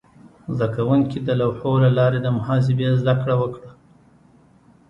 زده کوونکي د لوحو له لارې د محاسبې زده کړه وکړه.